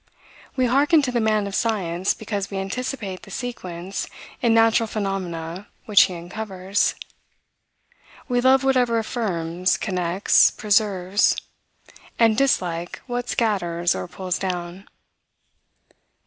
We hearken to the man of science, because we anticipate the sequence in natural phenomena which he uncovers. We love whatever affirms, connects, preserves; and dislike what scatters or pulls down.